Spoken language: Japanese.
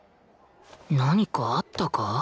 何かあったか？